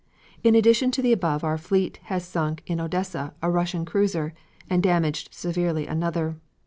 In addition to the above our fleet has sunk in Odessa a Russian cruiser, and damaged severely another.